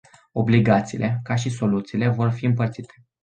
Obligațiile, ca și soluțiile, vor fi împărțite.